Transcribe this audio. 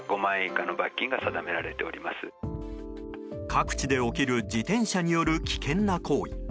各地で起きる自転車による危険な行為。